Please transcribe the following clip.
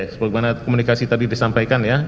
sebagaimana komunikasi tadi disampaikan ya